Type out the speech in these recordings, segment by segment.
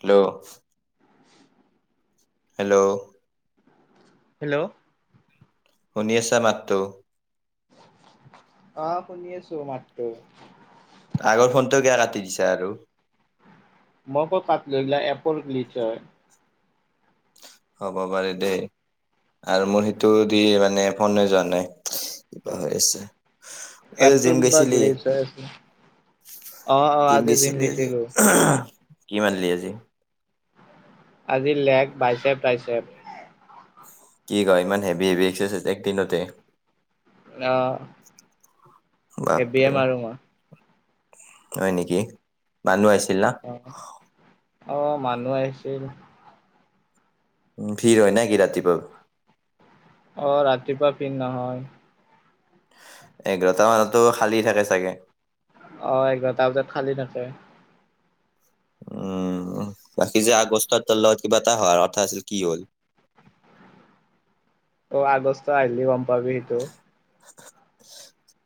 Hello. [unintelligible] Hello? Hello? শুনি আছা মাততো। আহ শুনি আছোঁ মাত্ৰ। আগৰ ফোনটো গে ৰাতি দিছে আৰু। মই কত তাত লৈলা এপৰ গ্লিজাৰ। হব বাৰে দে। আৰু মোৰ সেইটো দি মানে ফনে যোৱা নাই, কিবা হৈ আছে। অ জিম এপটল বা গৈছিলি গ্লেজাৰ আছে। অ অ জিম আজি গৈছিলি আজি, গৈছিলো কি মাৰিলি আজি? আজি লেগ, বাইছেপ, ট্ৰাইছেপ। কি কয় ইমান হেভি হেভি এক্সাৰচাইজ একদিনতে। অ'। হেভি এ বাপৰে মাৰো মই। হয় নেকি মানুহ আহিছ অ', অ', মানুহ আহিছিল। ভিৰ হয় নে কি ৰাতিপুৱা? অ', ৰাতিপুৱা ভিৰ নহয়। এঘাৰটা মানতো খালী থাকে চাগে। অ', এঘাৰটা বজাত খালী থাকে। উম, বাকী যে আগষ্টৰ লগত কিবা এটা হোৱাৰ কথা আছিল কি হ'ল? [inaudible] অ আগষ্ট আহিলে গম পাবি সেইটো।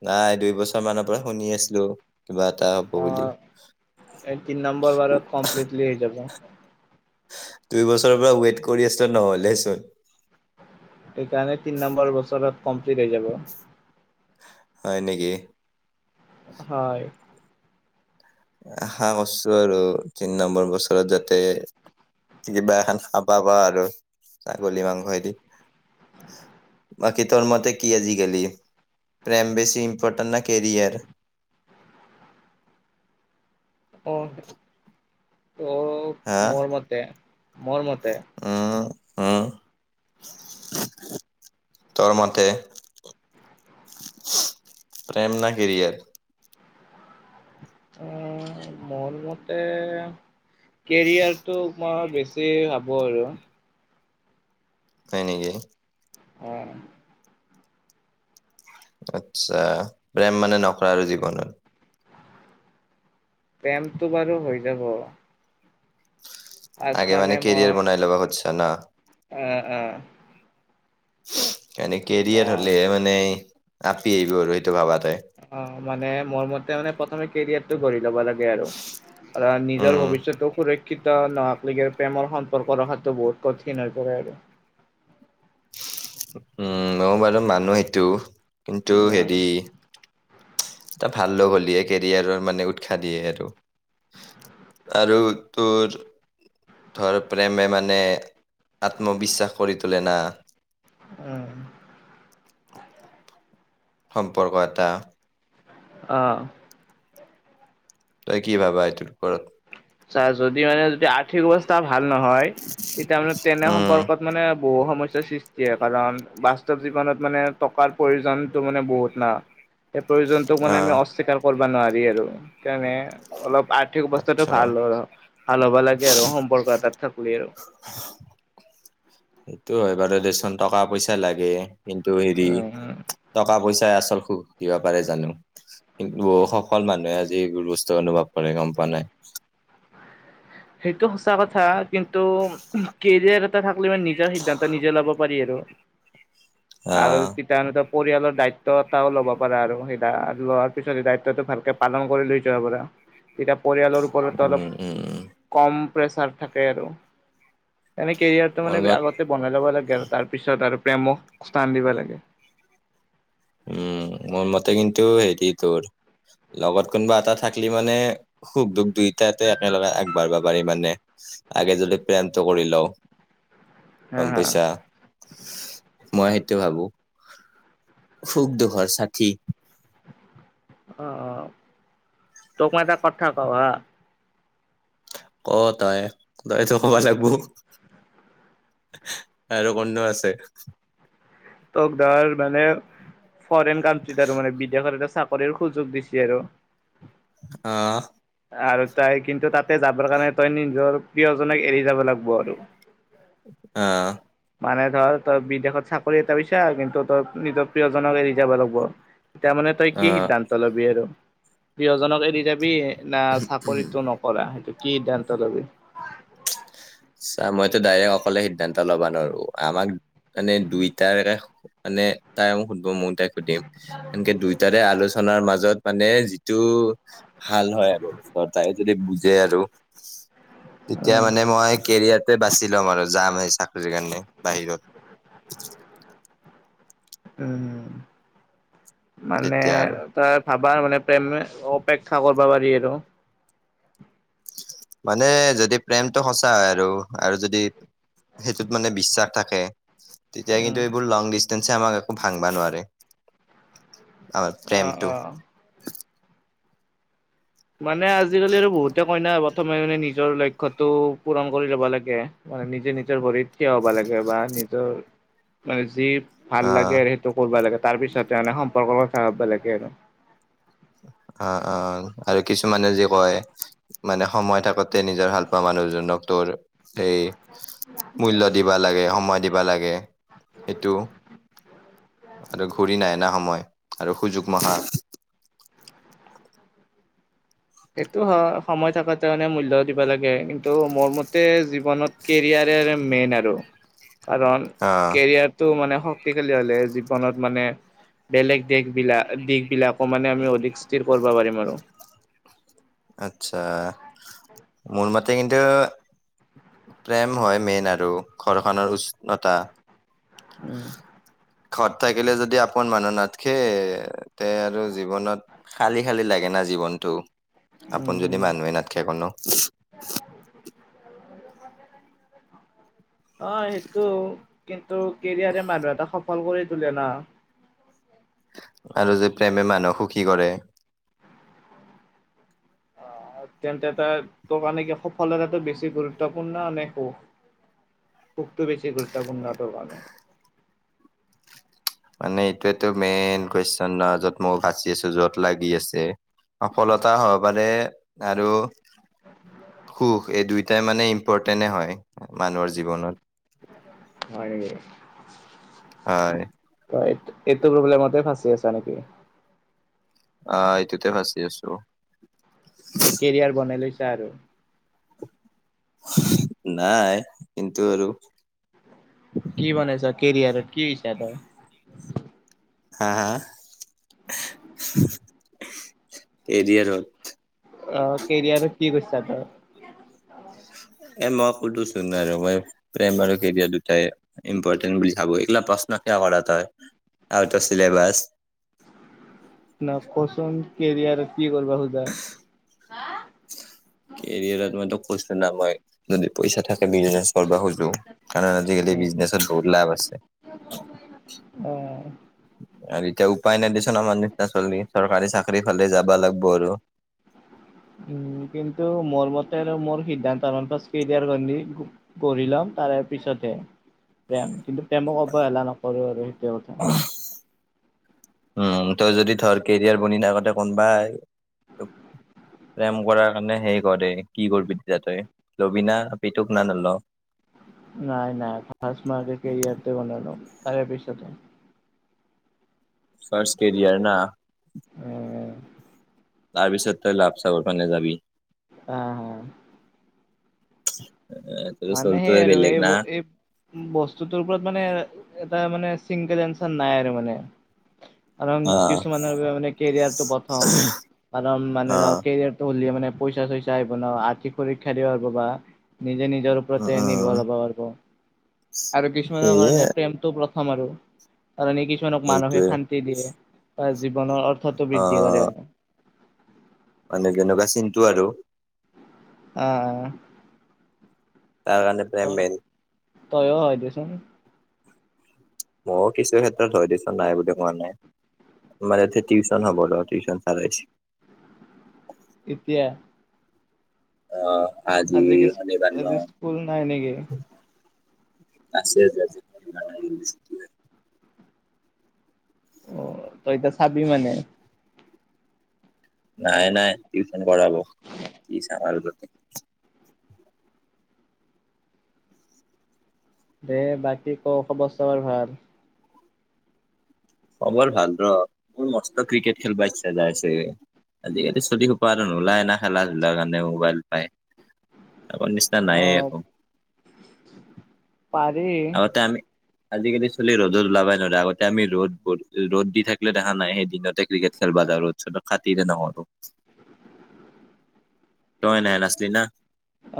নাই দুই বছৰ মানৰ পৰা শুনি আছিলো। কিবা এটা হব অ বুলি। তিন নম্বৰ বাৰত কমপ্লিটলি হৈ যাব দুই বছৰৰ পৰা ৱেট কৰি আছিলোঁ নহলেহেচোন। এইকাৰণে তিনি নম্বৰ বছৰত কমপ্লিট হৈ যাব। হয় নেকি? হয়। আশা কৰিছো আৰু তিন নম্বৰ বছৰত যাতে কিবা এখন খাব পাৰা আৰু ছাগলী মাংস এদিন বাকী তোৰ মতে কি আজিকালি প্ৰেম বেছি ইম্পৰটেন্ট ন কেৰিয়াৰ? অ', অ', হা মোৰ মতে মোৰ মতে উম উম, তোৰ মতে? প্ৰেম ন কেৰিয়াৰ? উম, মোৰ মতে কেৰিয়াৰটো মই বেছি ভাবো আৰু। হয় নেকি। অ'। আচ্ছা, প্ৰেম মানে নকৰা আৰু জীৱনৰত। প্ৰেমটো বাৰু হৈ যাব। আগে মানে কেৰিয়াৰ বনাই লবা হছ ন। অ অ। [unintelligible] এনে কেৰিয়াৰ হলেহে মানে আপি আহিব আৰু সেইটো ভাবাতে। মে প্ৰথম কেৰিয়াৰটো কৰি ল'ব লাগে আৰু নিজৰ উম ভৱিষ্যতো সুৰক্ষ। শিক্ষিত নহাক লগে প্ৰেমৰ সম্পৰ্ক ৰখাটো বহুত কঠিন হৈ পৰে আৰু। উম ম বাৰু মানুহ সেইটো কিন্তু হেৰি উম এটা ভাল লগ হ'লহে কেৰিয়াৰৰ মানে উৎসাহ দিয়ে আৰু। আৰু তোৰ ধৰ প্ৰেমে মানে আত্মবিশ্বাস কৰি তোলে না। উম [unintelligible] সম্পৰ্ক এটা। অ'। তই কি ভাবা হেইটোৰ ওপৰত? চা যদি মানে। টিয়া আৰ্থিক অৱস্থা ভাল নহয়, তেতিয়া মানে তেনে উম সম্পৰ্কত মানে বহু সমস্যাৰ সৃষ্টি। য়ে কাৰণ বাস্তৱ জীৱনত মানে টকাৰ প্ৰয়োজনতো মানে বহুত না। সেই প্ৰয়োজনতোক মানে আমি আহ অস্বীকাৰ কৰিব নোৱাৰি আৰু সেইকাৰণে অলপ আৰ্থিক অৱস্থাটো। আচ্ছা ভাল হ ভাল হ'বা লাগে আৰু সম্পৰ্ক এটাত থাকলে আৰু। সেইটো হয় বাৰু দেচোন, টকা পইচা লাগে, কিন্তু হেৰি উম টকা পইচ চায় আচল সুখ দিব পাৰে জানো। কিন্ত বহু সফল মানুহে আজি এইবোৰ বস্তু অনুভৱ কৰে গম পোৱা নে। সেইটো সঁচা কথা কিন্তু কেৰিয়াৰ এটা থাকলে মানে নিজৰ সিদ্ধান্ত নিজে ল'ব পাৰি আৰু। আৰু আহ পৰিয়ালৰ দায়িত্ব এটাও ল'ব পাৰো আৰু সেই। লোৱাৰ পিছত দায়িত্বটো ভালকে পালন কৰি লৈ যোৱা পৰা, তেতিয়া। পৰিয়ালৰ ওপৰত অলপ উম উম উম। কম প্ৰেছাৰ থাকে আৰু। এনে কেৰিয়াৰটো মোৰ মানে লগত আগতে বনাই ল'ব লাগে আৰু তাৰপিছত আৰু। প্ৰেমক স্থান দিব লাগে। উম, মোৰ মতে কিন্তু হেৰি তোৰ। লগত কোনোবা এটা থাকিলি মানে সুখ দুখ দুইটাতে একেলগে আগবাঢ়িব পাৰি মানে। আগে যদি প্লেন কৰি লও। হা গম হা পাইছা, মই সেইটোৱে ভাবো। সুখ দুখৰ সাথী। অ' তোক মই এটা কথা কওঁ হা। ক তই, তইটো ক'ব লাগবো। আৰু কোননো আছে। তোক ধৰ মানে। ফৰেইন কাণ্ট্ৰিত আৰু মানে বিদেশত এটা চাকৰিৰ সুযোগ দিছে আৰু অহঁ আৰু তাই কিন্তু তাতে যাবৰ কাৰণে তই নিজৰ প্ৰিয়জনক এৰি যাব লাগিব আৰু। অ'হ মানে ধৰ তই বিদেশত চাকৰি এটা পাইচা, কিন্তু তই নিজৰ প্ৰিয়জনক এৰি যাব লাগব। তেতিয়া মানে তই কি আহ সিদ্ধান্ত ল'বি আৰু, প্ৰিয়জনক এৰি যাবি। না চাকৰিটো নকৰা, সেইটো কি সিদ্ধান্ত লবি। চা, মইতো ডাইৰেক্ অকলে সিদ্ধান্ত ল'বা নোৱাৰো, আমাক মানে দুইটাৰ কা নে তাই মোক সুধিব ময়ো তাইক সুধিম, এনেকে দুইটাৰে আলোচ চনাৰ মাজত মানে যিটো ভাল হয় আৰু তাই যদি বুজে আৰু তেতিয়া উম, মানে মই এইটোৱে বাচি ল'ম আৰু যামে এই চাকৰিৰ কাৰণে বাহিৰত। উম, মানে তেতিয়া আৰু তাৰ ভাবা মানে প্ৰেমে অপেক্ষা কৰিব পাৰি আৰু। মানে যদি প্ৰেমটো সঁচা হয় আৰু- আৰু যদি সেইটোত মানে বিশ্বাস থাকে তেতিয়া উম, কিন্তু এইবোৰ লং ডিচষ্টেন্ঞ্চে আমাক একো ভাংবা নোৱাৰে। আমাৰ অ', প্ৰেমটো। অ'। মানে আজিকালি আৰু বহুতে কয় না প্ৰথমে মানে নিজৰ লক্ষ্যটো পূৰণ কৰি ল'ব লাগে, মানে নিজে নিজৰ ভৰিত থিয় হ'বা লাগে বা নিজৰ মানে যি ভাল অ লাগে সেইটো কৰবা লাগে। তাৰপিছতহে মানে সম্পৰ্কৰ কথা ভাৱ ব লাগে আৰু। অঁ' অঁ'আৰু কিছুমানে যি কয়, মানে সময় থাকোতে নিজৰ ভাল পোৱা মান নুহ জনক ত'ৰ সেই মূল্য দিবা লাগে, সময় দিবা লাগে, সেইটো আৰু ঘূৰি নাহে না সময়, আৰু সুযোগ মখা সেইটো হয়, সময় থাকোতে মানে মূল্য দিব লাগে, কিন্তু মোৰ মতে জীৱনত কেৰিয়াৰ মেইন আৰু কাৰণ আহ কেৰিয়াৰটো মানে শক্তিশালী হ'লে জীৱনত মানে বেলেগ দিশ বিলাক, দিশ বিলাকো মানে আমি অধিক স্থিৰ কৰিব পাৰিম! আৰু আচ্ছা মোৰমতে কিন্ত প্ৰেম হয় মেইন আৰু ঘৰখনৰ উষ্ণতা উম ঘৰত থাকিলে যদি আপন মানুহ নাথখে তে আৰু জীৱনত খালি খালি লাগে নথ জীৱনটো আপোন উম যদি উম মানুহে নাথকে কোনো অঁ সেইটো কিন্তু কেৰিয়াৰে মানুহ এটা শব্দ ফল কৰি তোলে ন। আৰু যে প্ৰেমে মানুহ সুখী কৰে। [inaudible] তেন্তে তাৰ তোৰ কাৰণে কি সফলতাটো বেছি গুৰুত্বপূৰ্ণ মান একো। সুখ তো বেছি গুৰুত্বপূৰ্ণ ভাল হয়। মানে এইটোয়টো মেইন কুৱেশন। ন য'ত মই ভচি আছো যত লাগি আছে। সফলতা হব পাৰে আৰু। সুখ এই দুয়টাই মানে ইম্পৰ্টেন্টে হয় মানুহৰ জীৱনত। হয় দে হয়। এইটো প্ৰব্লেমতে ফাঁচি আছা নেকি। অঁ এইটোতে ফচি আছো। তই কেৰিয়াৰ বনাই লৈছা। আৰু! নাই কিন্তু আৰু! কি বনাইছে কেৰিয়াৰত কি হৈছে তই হাঁ হাঁ এৰিয়াৰত অঁ কেৰিয়াৰ কি বিছাৰ ত এ মই কতোচোন আৰু মই প্ৰেম আৰু কেৰিয়াৰ দুটাই ইম্পৰ্টেণ্ট বুলি ভাবো এইা প। প্ৰশ্ন কিয় কৰাটো হয় আৰু এটা চিলেবাচ ন কচোন কেৰিয়াৰ কি কৰিবা খোজা? কেৰিয়াৰত মইতো কৈছো না মই যদি পইচা থাকে বিজনেচ কৰিব খুজো কাৰণ আজিকালি বিজনেছত বহুত লাভ আছে অ আৰু এতিয়া উপায় নাইদেচোন আমাৰ নিচিনা চৰকাৰী চাকৰি পালে যাব লাগব আৰু [inaudible] উ কিন্তু মোৰ মতে আৰু মোৰ সিদ্ধান্ত প কেৰিয়াৰ গঢ়ি লম পিছতহে প্ৰেম কিন্তু প্ৰেমক অৱহেলা নকৰো আৰু সেইটো কথা উম তই যদি ধৰ কেৰিয়াৰ বনি থাকোতে কোনোবাই প্ৰেম কৰাৰ কাৰণে শেই গতি কি কৰিবি তেতি তই লবিনা পিটুক না নল, নাই নাই ফাৰ্ষ্ট মই আগতে কেৰিয়াৰ তো বনাই লও তাৰ পিছাতে, ফাৰ্ষ্ট কেৰিয়াৰ না? অ তাৰ পিছত মানে তই লাপছ [unintelligible] আহ হ এ তোৰ মানে সেই চলটোৱে আৰু বেলেগ এই না। এই বস্তুটোৰ ওপৰত মানে এটা মানে সিংকদচ নাই মানে কাৰণ অ কিছুমানৰ বাবে মানে কেৰিয়াৰটো প্ৰথম কাৰণ মানে অ ধৰ কেৰিয়াৰটো হ'লে মানে পইচা চইচা আহিব ন আৰ্থিক সুৰক্ষা দ বা নিজ নিজৰ উম ওপৰতে উম নিৰ্ভৰ হব পাৰিব আৰু কিছুমানৰ সেয়ে কাৰণে প্ৰেমটো‌ প্ৰথম। আমাৰো কাৰণে কিছুমানক সেইটোৱে মানসিক শান্তি দিয়ে বা জীৱনৰ অৰ্থতটো অ বৃদ্ধি কৰে আৰু মানে কেনেকুৱা চিনটো আৰু অ অ। তাৰ কাৰণে প্ৰেম মেন। তই হয় দেচোন। মইয়ো কিছু ক্ষেত্ৰত ধ দিছো, নাই বুলি কোৱা নাই। আমাৰ এতিয়া টিউচন হ'ব ৰ, টিউচন চাৰ আহিছে। এতিয়া? অহ আজি শনিবাৰ ন আজি স্কুল নাই নেকি আছে আজি অ তই এতিয়া চাবি মানে? নাই নাই টিউচন কৰাব। কি চাম আৰু দে বাকী ক খবৰ চবৰ ভাল? খবৰ ভাল। ৰ মোৰ মস্ত ক্ৰিকেট খেলব ইচ্ছা যাইছে। আজিকালি চুলি খোপা আৰু নোলায় না, খেলা ধূলাৰ কাৰণে মোবাইল পায়। আগৰ নিচিনা অ নাইয়ে একো। পাৰি। আগতে আমি, আজিকালি ছোৱালী ৰ'দত ওলাবই নোৱাৰে, আগতে আমি ৰ'দ ৰ'দ দি থাকিলে দেখা নাই। সেই দিনতে ক্ৰিকেট খেল ব যা ৰ'দ চদ খাতিৰে নকৰো। তই নাই নচলি না?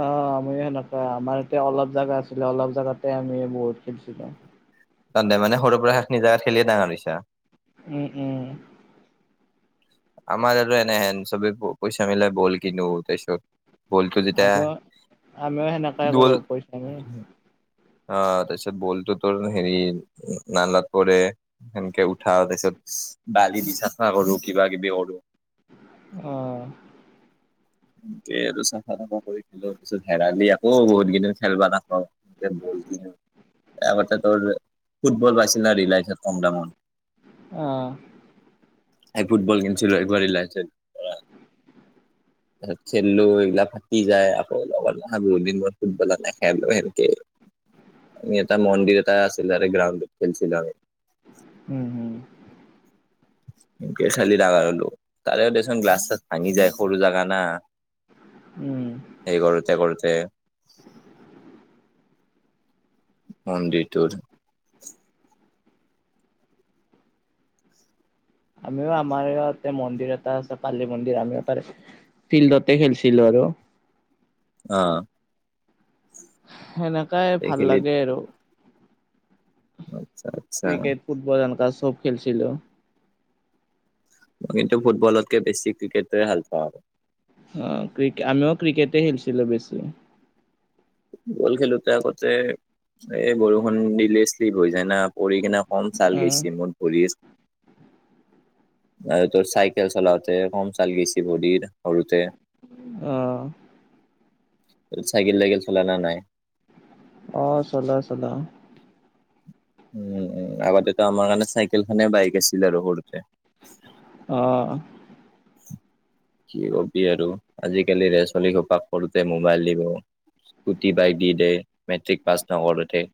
অ আমি সেনেকুৱা। আমাৰ এতিয়া অলপ জাগা আছিলে অলপ জাগাতে আমি বহুত খেলিছিলো। তে মানে সৰুৰ পৰা সেইখি জেগাত খেলিয়ে ডাঙৰ হৈছা। উম উম। আমাৰ আৰু এনে চবেই পইচা মিলাই বল কিনো তাৰপিছত বলটো যেতিয়া, আমিও আমিও সেনেকাই কৰো দল পইচা নি। অ তাৰপিছত বলটো তোৰ হেৰি নালাত পৰে, সেনকে উঠা তাৰপিছত বালি দি চাফা কৰো কিবা কিবি কৰো অহ। উম। চফা তাফা কৰি খেলো, পিছত হেৰালি আকৌ বহুত কেইিনি [unintelligible] খেলবা নাাপাওঁ এ বল কিনো এবাৰ ত তোৰ ফুটবল বিলাইছিলে‌ না ৰিলায়ন্স কম দামত। অ। এই ফুটবল কিনছিলো একবাৰেই ৰিলায়েন্সত, তাৰপছত খেলিলো এইবিলাক ফাটি যায়। আকৌ লগত লহা বহু দিন মোৰ ফুটবলত নেখেলো সেনেকেই। মি এটা মন্দিৰ এটা আছিল গ্ৰাউণ্ডত খেলছিলো আমি। উম উম। এনকে খেলি ডাঙাৰ হলো তাৰে দেচোন গ্লাছ ত্লাছ ভাঙি যায় সৰু জাগা না উম। এই কৰোতে কৰোতে, মন্দিৰটোত আমিও আমাৰ ইয়াতে মন্দিৰ এটা আছে পালি মন্দিৰ আমি তাৰে ফিল্ডতে খেলছিলো আৰু। [unintelligible] অ। সেনেকাই এই ভাল লাগে আৰু। হয়। ক্ৰিকেট ফুটবল এনেকা চব খেলছিলো। মই কিন্তু ফুটবলতকে বেছি ক্ৰিকেটো হে ভাল পাওঁ আৰু। অ ক্ৰিকেট আমিও ক্ৰিকেটে খেলিছিলো বেছি। ফুটবল খেলোতে আগতে এ বৰষুণ দিলে শ্লিপ হৈ যায় না, পৰি কিনে কম চাল অ গৈছে। মোৰ ভৰিয়ে- আৰু তোৰ চাইকেল চলাওঁতে কম চাল গৈছি ভৰিৰ সৰুতে। অ। চাইকেল তাইকেল চলা নে নাই? অ চলাও চলাও। উম উম আগতেতো আমাৰ কাৰণে চাইকেল খানে বাইক আছিল আৰু সৰুতে অহ কি কবি আৰু আজি কালি ল 'ৰা ছোৱালীক [unintelligible] কৰোঁতে মোবাইল দিব স্কুটি বাইক দি দে মেট্ৰিক পাছ নকৰোতে